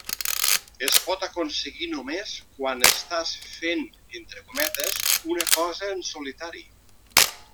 Es pot aconseguir només quan estàs fent -entre cometes- una cosa en solitari.